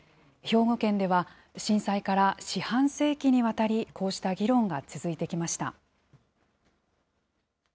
兵庫県では、震災から四半世紀にわたり、こうした議論が続いてきました。